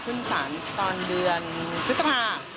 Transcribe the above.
ขึ้นศาลตอนเดือนพฤษภา